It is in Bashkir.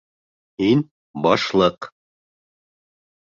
Һин - Башлыҡ.